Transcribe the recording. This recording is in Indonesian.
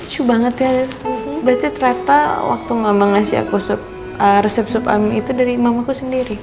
juga banget berarti terepa waktu ngomong ngasih aku sup resep resep ami itu dari mamaku sendiri